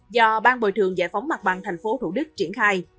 do ban bồi thường giải phóng mặt bằng tp thủ đức triển khai